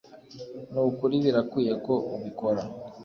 ni ukuri birakwiye ko ubikora